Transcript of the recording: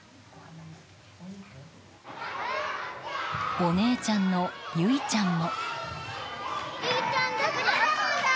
お姉ちゃんの結以ちゃんも。